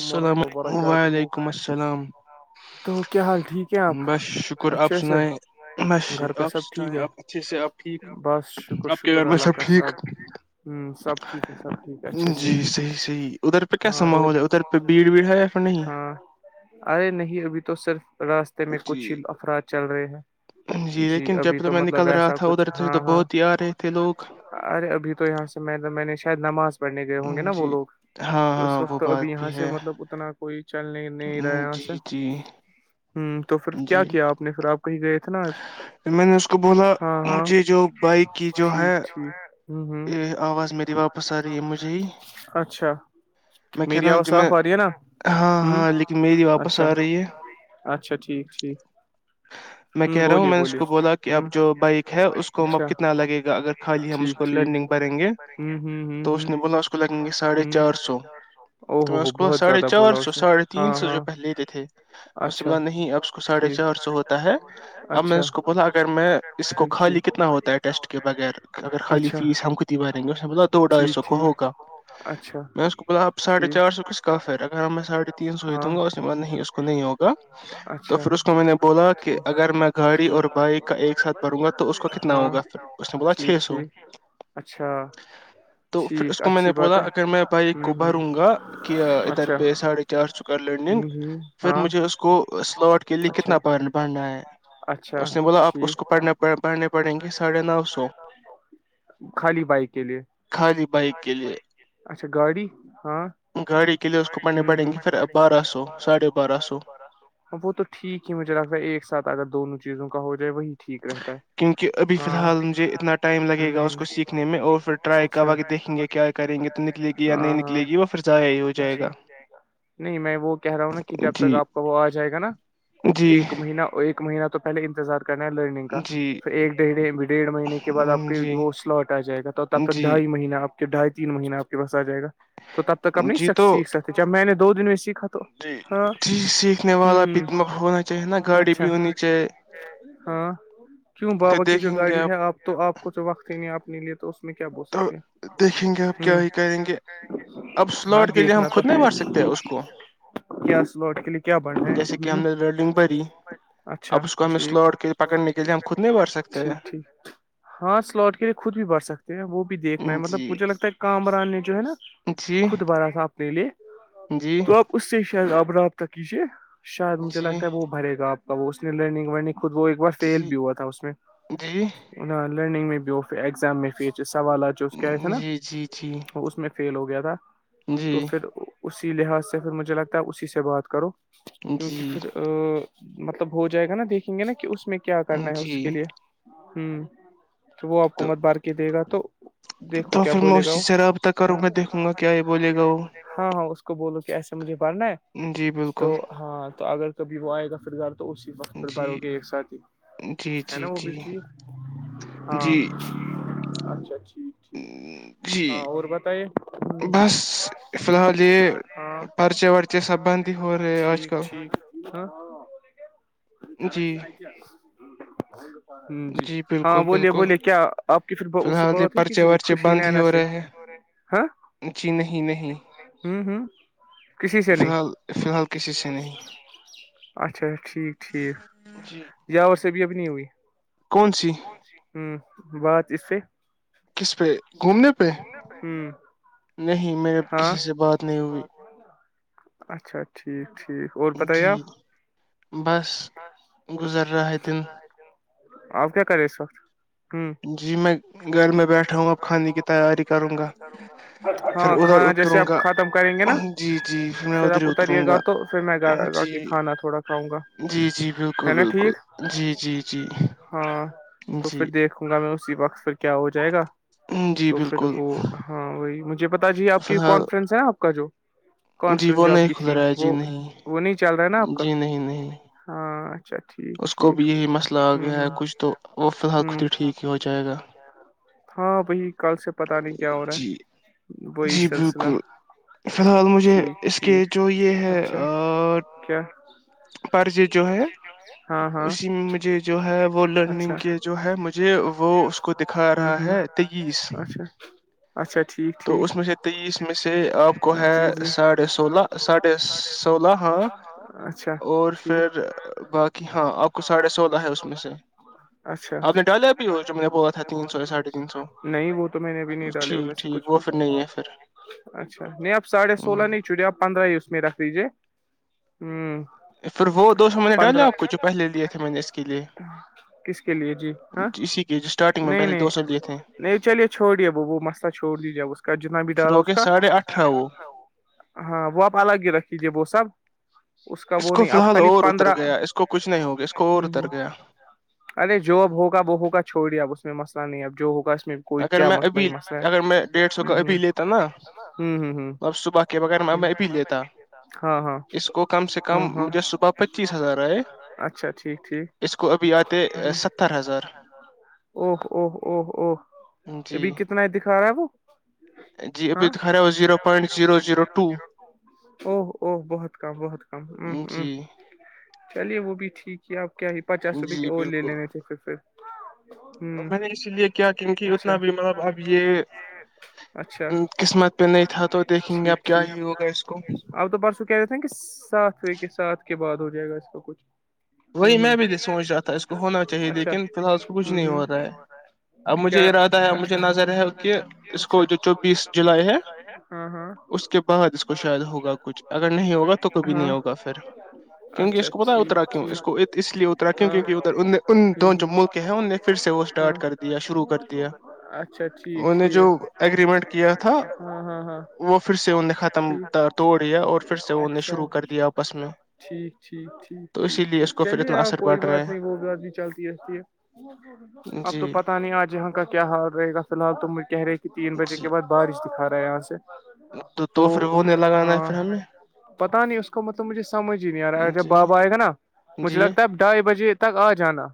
السلام علیکم السلام بس شکر آپ س نائیں بس آپ سائیں آپ اچھے سے آپ بس شکر شکر اللہ کااست صب ہ سب ٹھیک ہے سب ٹھیک جی صحیح صحیح ادھر پہ کیسا ماحول ہے ادھرہ ہاں ارے نہیں ابھی تو صرف راستے میں کچھ ہی افراد چل رہے ہیں جی ابھی تو مطلب وسا کچھ ہاں ہاں ارے ابھی تو یہاں سے میں نے میں نے شاید نماز پڑھنے گئے ہوں گے نا وہ لوگ تو اس وقت تو اب یہاں سے مطلب اتنا کوئی چلنے نہیں رہا یہاں سے ہ تو پھر کیا کیا آپ نے پھر آپ کہیں گئے تھے نا آج میں نے اس کو بولا مجھے جو بائک کی جو ہے ا آواز میری واپس آ رہی ہے مجھے ہی میڈیا وہ صاف آ رہی ہے نا ہ اچھا اچھا ٹھیک ٹھیک میں کہہ رہا ہوں میں نے اس کو بولا کہ اب جو بائک ہے اس کو ہم اب کتنا لگے گا اگر خالی ہے اس کو اس کو لینڈنگ بیں گے تو اس نے بولا اس کو لگیں گے ساڑھے چار سو تو میں اس کو ساڑھے چار سو ساڑھے تین سو جو پہل لیتے تھے اس سے بولا نہیں آپ کو ساڑھے چار سو ہوتا ہے اب میں نے اس کو بولا اگر میں اس کو خالی کتنا ہوتا ہے ٹیسٹ کے بغیر اگر خالی فیس ہمقتی باریں گے اس ب دو ڈھائی سو کو ہوگا میں ب آپ ساڑھے چار سو کس کاف ہے اگر میں ساڑھے تین سو ہی دوں گا اسس بد نہیں اس کو نہیں ہوگا تو پھر اس کو میں نے بولا کہ اگر میں گاڑی اور بائک کا ایک ساتھ بھروں گا تو اس کو کتنا ہوگا پھر ٹھیک ٹھیک اچھا تو پھر اس کو میں نے بولا اگر میں بائیک کو بھروں گا کہ ادھر پہ ساڑھے چار سو کر لینڈنگ پھر مجھے اس کو کو سلاوٹ کے لیے کتنا پ پڑنا ہے اس نے بولا آپ کو اس کو پڑھنے پڑھنے پڑیں گے ساڑھے نو سو خالی بائک کے لیے اچھا گاڑی ہاں گاڑی کے لیے اس کو پنے پڑڈن گ پھر بارہ سو ساڑے بارہ سو وہ تو ٹھیک ہی مجھے لگتا ہے ایک ساتھ اگر دونوں چیزوں کا ہو جائے وہی ٹھیک رہتا ہے کیونک اھیی الحال مجھے اتنا ٹائم لگے گا اس کو سیکھنے میں اور پھر ٹرائی کروا کے دیکھیں گے کیا کریں گے تو نکلے گی یا نہیں نکلے گی وہ پھر ضائع ہی ہو جائے گا نہیں میں وہ کہہ رہا ہوں نا کہ جب تک آپ کا وہ آ جائے گا نا ایک مہینہ ایک مہینہ تو پہلے انتظار کرنا ہے لرننگ کا پھر ایک ڈڑھ ڈیڑھ مہینے کے بعد آپ کے وہ سلاٹ آ جائے گا تو آپ کا ڈھائی مہینہ آپ ڈھائی تین مہینہ آپ کے پس آ جائے گا تو تب تک آپ نہیں سیکھ سکتے جب میں نے دو دن میں سیکھ جی جی سیکھنے والا بھی ہونا چاہیے نا گاڑی بھی ہونی چاہیے ہاں کیوں بابا کی جو گاڑی ہے آپ تو آپ کو تو وقت ہی نہیں آپنے لیے تو اس توب دیکھیں گے آپ کیا ہی کریں گے ہاں دیکھنا تو ہے کیا سلوٹ کے لیے کیا بڑھ رہے ہیں ہم ویلڈنگ بری اب اس کو ہمیں س لوڈ کے پکڑنے کے لیے ہم خود نہیں بھر سکتے ہیں جی ہاں سلاٹ کے لیے خود بھی بر سکتے ہیں وہ بھی دیکھنا ہے مطلب مجھے لگتا ہے کامبراننے جو ہے نا خود بارا سا اپنے لیے تو آپ اس سے شاید آپ رات کا کیجیے شاید مجھے لگتا ہے وہ بھرے گا آپ ب اس نے لرگ ورنگ خود وہ ایک بار فیل بھی ہوا تھا اس میں [unintelligible] نہ لرننگ میں بھی ہو ایگزام میں ف سوالات [unintelligible] کیائے تھے نا اس میں فیل ہو گیا تھا تو پھر اسی لحاظ سے پھر مجھے لگتا ہے اسی سے بات کرو کیونکہ پھر ا مطلب ہو جائے گا نا دیکھیں گے نا کہ اس میں کیا کرنا ہے اس کے لیے ہوں تو وہ آپ کوومت بار کے دے گا تو تو پھر میں اسی سے رابطہ کروں میں دیکھوں گا کیا یہ بولے گا وہ ہاں ہاں اس کو بولو کہ ایسے مجھے پڑنا ہے تو ہاں تو اگر کبھی وہ آئے گا فھرگار تو اسی وت پر بار ہو گ ایک ساتھ ہی ہے نا وہ بھی ٹھیک ہاں اچھا ٹھیک ٹھیک جی بس فی الحال یہ [unintelligible] پرچے ورچے سبند ہی ہو رہے ہیں آج کل داراس آ [inaudible] ہ جی ہاں بولیے بولیے کیا آپ کی پھر اس سے بات ہوئی کسی سے خوشی نینا سے [unintelligible] جی نہیں نہیں ہوں ہوں کسی سے نہیں ف الحال کسی سے نہیں [unintelligible] اچھا ٹھیک ٹھیک اور صابیا بھی ن ہوی [unintelligible] کون سی ہوں بات اس سے کس پہ گھومنے پہ نہیں میر کسی سے بات نہیں ہوئی اچھا ٹھیک ٹھیک جی بس گزر رہا ہے دن آپ کیا کرے اس وقت [inaudible] جی میں گھر میں بیٹھا ہوں اب کھانے کی تیاری کروں گا پھر کھانا جیسے آپ ختم کریں گے نا پھر آپ اتریے گا تو پھر میں گا گا کہ کھانا تھوڑا کاؤ گا جی جی بالکل بالکل جی جی جی جی وں گا میں اسی وقت پ کیا ہو جائے گا تو پھر وہ [unintelligible] ہاں وہی مجھے پتا ج آپ کی کانفرنس ہے نا آپ کا جو کانفرنس جاب کی تھی وہ وہ نہیں چل رہا ہے نا آپ کا ہاں اچا ٹھیک اس کو بھی یہی مسئلہ آ گیا ہے کچھ تو وہ فی الحال خود ہی ٹھیک ہی ہو جائے گا ہاں وہی کل سے پتا نہیں کیا ہو رہا ہے وہی سلسلہ فی الحال مجھے اس کے جو یہ ہے [unintelligible] کیا پرضے جو ہے اسی میں مجھے جو ہے وہ لرننگ کے جو ہے مجھے وہ اس کو دکھا رہا ہے تیس اچھا اچھا ٹھیک تو اس میں سے تیئیس میں سے آپ کو ہے ساڑھے سولہ ساھ سولہ ہاں اور پھر باقی ہاں آپ ساڑھے سولہ ہے اس میں سے آپ نے ڈالیا بھی ہو جو میں نے بولا تھا تین سویا ساڑھے تین سو نہیں وہ تو میں نے اب نہیں ڈالے ان کچھ بھی اچھا نہیں اب ساڑھے سولہ نہیں چڑیا ا پندرہ ہی اس میرا سریجے ہوں پھر وہ دوستوں میں نے ڈیولپ کوچ جو پہلے لیے تھے میں نے اس کے [unintelligible] کے لیے اسی کے اسٹارٹنگ میں پہلے دو سو لیے تھے نہیں چلیے چھوڑیے وہ وہ مسئلہ چھوڑ دیجیے گ اس کا جتنا بھی ڈالا اس کاھھ ہاں وہ آپ الگ ہی رکجے وہ سب اس کا وہ نہیں اب خالی پندرہ ہ ہ ارے جو اب ہوگا وہ ہوگا چھوڑی اب اس میں مسئلہ نہیں اب جو ہوگا اس میں کوئی کیا مسلہ ہی مسلہ ہے ہ ہ ہ ہ ہ [unintelligible] کہ بغیر میں میں پی لیتا اس کو کم سے کم مجھے صبح پچیس ہزار آئے اس کو اس کو ابھی آتے ستر ہزار او او او او ابھی کتنا دکھا رہا ہے وہ ہاں او او بہت کام بہتم ہ ہ چلیے وہ بھی ٹھیک ہے آپ کیا پچاس روپئے کی اور لے لیں گے تھے پھر پھر میں نے اس لیے کیا کیونکہ اتنا بھی مطلب اب یہ اچھا ٹھیک ٹھیک اب تو پرسوں کہ دیتے ہیں کہ ساتو کے ساتھ کے بعد ہو جائے گا اس کا کچھ وہی میں بھی نہیں سوچ رہا تھا اس کو ہونا چاہیے لیکن فی الحال اس کچھ نہیں ہو رہا ہے کیا اچھا اچھا چوبیس جولائی ہے اس کے بعد اس کو شاید ہوگا کچھ اگر نہیں ہوگا تو کبھی نہیں ہوگا پھر کیونکہ اس کو پتتا اترا کیوں اس کو اس لیے روں کیوںکہ ادھر ان انون جو ملک ہیں ان نے پھر سے وہ اسٹارٹ کر دیا شروع کر دیا ان نے جو اگریمنٹ کیا تھا وہ پھر سے انہیں ختم توڑیا اور پھر سے وہ نے شروع کر دیا آپس میں ٹھیک ٹھیک ٹھیک ٹھیک ٹھیک چلیے ہاں کوئی بات نہیں وہ بھی بات نہیں چلتی رہتی ہے اب تو پتا نہیں آج یہاں کا کیا حال رہے گا فی الحال ت کہہ رہے کہ تین بجے کے بعد بارش دکھا رہا ہے یہاں سے تو ہاں پتا نہیں اس کو مطلب مجھے سمجھ ہی نہیں آ رہا ہے جب باب آ گا نا مجھے لگتا ڈھائی بجے تک آ جانا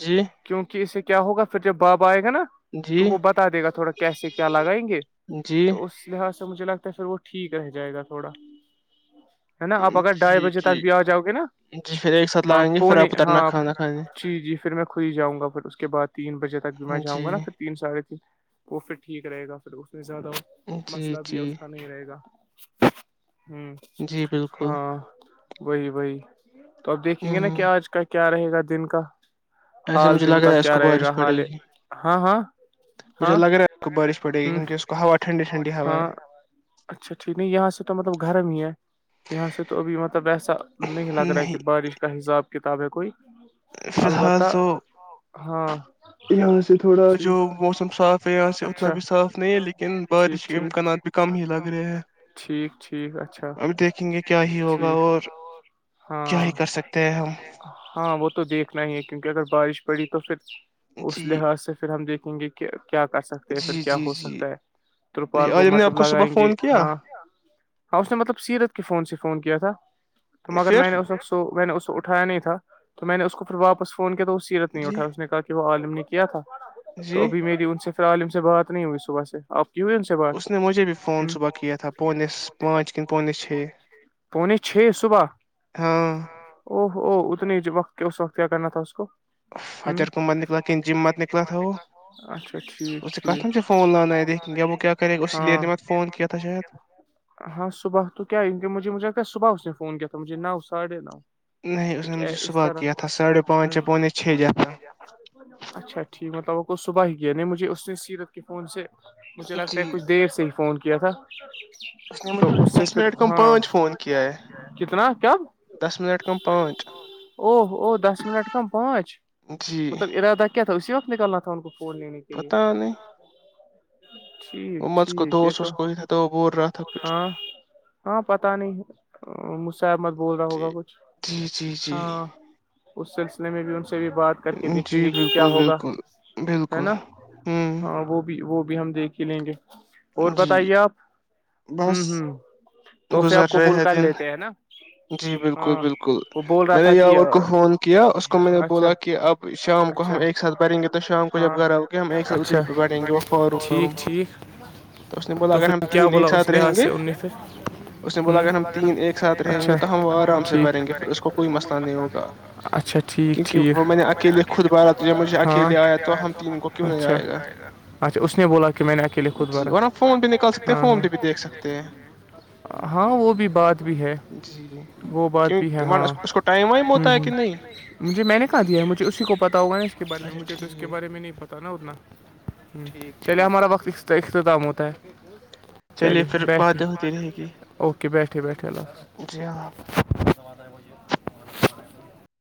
جی کیونکہ اس سے کیا ہوگا پھر جب بابا آئے گا نا تو وہ بتا دے گا تھوڑا کیسے کیا لگائیں گے تو اس اس لحاظ سے مجھے لگتا ہے پھر وہ ٹھیک رہ جائے گا تھوڑا ہے نا آپ اگر ڈھائی بجے تک بیا جاؤ گے نا ان فری ایک س ہاں پونے ہاں جی جی پھر میں خھود ہی جؤں گا پھر اس کے بعد تین بجے تک بھی میں جاؤں گا نا پھر تین ساڑھے تین وہ پھر ٹھیک رہے گا پھر اس میں زیادہ مسئلہ بھی ہے اس کا نہیں رہے گا ہ ہاں وہی وہی تو اب دیک دیکھیں گے نا کیا آج کا کیا رہے گا دن کا حال دن کا کیا رہے گا حال ہاں ہاں مجھے لگ رہا ہے کو بارش پڑے گی کیونک اس کو ہوا ٹھنڈی ٹنڈی ہوا ہے اچھا ٹھیک نہیں یہاں سے تو مطلب گھرم ہی ہے یہاں سے تو ابھی مطلب ایسا نہیں لگ رہا ہے کہ بارش کا حساب کتاب ہے کوئی فی الحال تو ہاں یہاں سے تھوڑا جو موسم صاف ہے یہاں سے اتنا بھی صاف نہیں ہے لیکن بارش کے امکانات ٹھیک ٹھیک اچھاٹھ ہوں دیہ ہم ہاں وہ تو دیکھنا ہی ہے کیونکہ اگر بارش پڑی تو پھر اس لحاظ سے پھر ہم دیکھیں گے کہ کیا کر سکتے ہیں پھر کیا ہو سکتا ہے ترپال وہ مطلب لگائیں گے ہاں ہاں اس نے مطلب سیرت کے فون سے فون کیا تھا تو مگر میں نے اس وقت میں نے اس کو اٹایا نہیں تھا تو میں نے اس کو پھر واپس فون کیا تو وہ سیرت نہیں اٹھایا اس نے کہا کہ وہ عالم نے کیا تھا تو ابھی میری ان سے پھر عالم سے بات نہیں ہوئی صبح سے آپ کی ہو اس نے مجھے بھی فون صبح کیا تھا پونےس پانچ کن پونےس چھ پنے چھ صبح ہاں او اتنی وقت اس وقت کیا کرنا تھا اس کو اچھا ٹھیک ٹھیک کیا کرے اسی لیے میںت فون کی تھا شاید ہاں صبح تو کیا کہ مجھے مجھے صبح اس نے فون کیا تھا مجھے نو ساڑھے نو نہیں اس نے صبح کے تھا ساھے پانچ پانانیچ چھ اتاں اچھا ٹھیک مطلب وہ کو صبح ہی کیایا نہیں مجھے اس نے سیرت کے فون سے مجھے لگتا ہے کچھ دیر سے ہی فون کیا تھا دس منٹ ک پانچ فون کی ہے دس منٹ کم پانچ او او دس منٹ کام پانچ مطلب ارادہ کیا تھا اسی وقت نکلنا تھا ان کو فون لینے کے لیے ٹھیک ٹھیک یہ تو ہاں ہاں پتا نہیں مسحمت بول رہا ہوگا کچھ ہاں اس سلسلے میں بھی ان سے بھی بات کر کے دیکھیں گے کہ کیا ہوگا ہے نا ہاں وہ بھی وہ بھی ہم دیکھ ہی لیں گے اور بتائیے آپ تو پھر آپ کو بول کر لیتے ہے نا ہاں میں نے یاور کو فون کیا اس کو میں نے بولا کہ اب شام کو ہم ایک ساتھ بریں گے تو شام کو جب گھر آ ہوگ ہم ایک سو اتری پہ بیٹھیں گے وہ فور تو اس نے بولا اگر ہم تین ایک ساتھ رہیں گے بولا اگر ہم تین ایک ساتھ رہیں گے تو ہم آرام سے بھریں گے پھر اس کو کوئی مسئلہ نہیں ہوگا کیونکہ وہ میں نے اکیلے خود بارا تو جب مجھے اکیلے آیا تو ہم تین کو کیوں نہیں آئے گا جی اور آپ فون بھیہ نکال سکتے فون پہ بھی دیکھ سکتے کہ ہاں وہ بھی بات بھی ہے وہ بات اس کو ائم ہوں مجھے میں نے کہاں دیا ہے مجھے اسی کو پتا ہوگا نا اس کے بارے میں مجھے تو اس کے بارے میں نہیں پتا نا اتنا چلے ہمارا وقت اختتام ہوتا ہے چلیے بیٹھے اوکے بیٹھے بیٹھے اللہ حافظ جی ہاں [inaudible]